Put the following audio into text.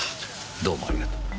どうもありがとう。